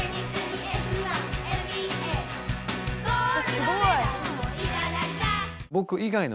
すごい！